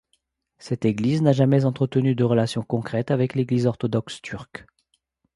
Cette Église n'a jamais entretenu de relations concrètes avec l'Église orthodoxe turque.